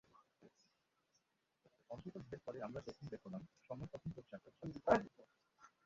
অন্ধকার ভেদ করে আমরা যখন বের হলাম, সময় তখন ভোর চারটা হবে।